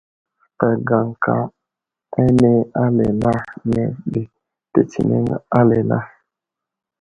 Fətay gaŋka ane alala mərdi tətsəneŋ alala.